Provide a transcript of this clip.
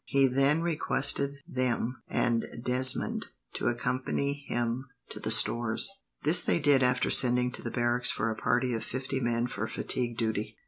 He then requested them and Desmond to accompany him to the stores. This they did, after sending to the barracks for a party of fifty men for fatigue duty.